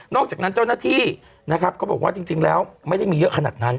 จากนั้นเจ้าหน้าที่นะครับเขาบอกว่าจริงแล้วไม่ได้มีเยอะขนาดนั้น